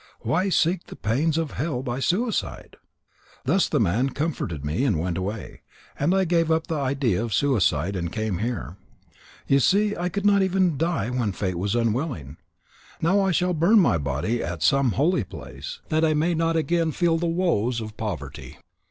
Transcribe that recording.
Why seek the pains of hell by suicide?' Thus the man comforted me and went away. And I gave up the idea of suicide and came here. You see I could not even die when fate was unwilling. Now I shall burn my body at some holy place, that I may not again feel the woes of poverty."